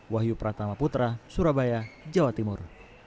wahyu pratama putra surabaya jawa timur